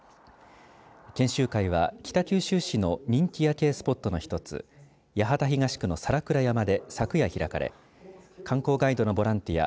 研修会は北九州市の人気夜景スポットの１つ八幡東区の皿倉山で昨夜開かれ観光ガイドのボランティア